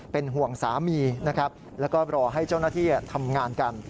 เป็นห่วงสามีนะครับแล้วก็รอให้เจ้าหน้าที่ทำงานกัน